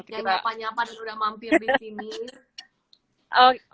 yang nyapa nyapa dan udah mampir di sini